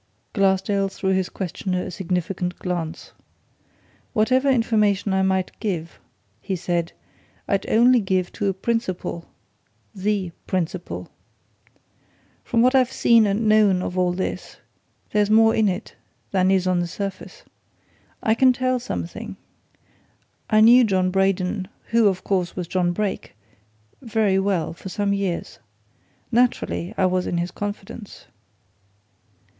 Glassdale threw his questioner a significant glance. "Whatever information I might give," he said, "I'd only give to a principal the principal. From what I've seen and known of all this, there's more in it than is on the surface. I can tell something. I knew John Braden who, of course, was John Brake very well, for some years. Naturally, I was in his confidence."